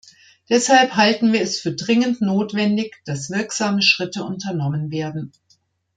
Deshalb halten wir es für dringend notwendig, dass wirksame Schritte unternommen werden.